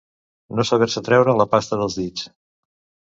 No saber-se treure la pasta dels dits.